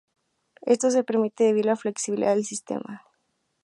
Esto se permite debido a la flexibilidad del sistema.